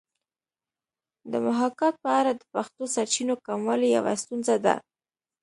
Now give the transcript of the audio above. د محاکات په اړه د پښتو سرچینو کموالی یوه ستونزه ده